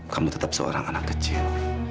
kamu tetap seorang anak kecil